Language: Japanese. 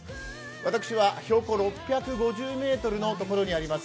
私は標高６５０ｍのところにあります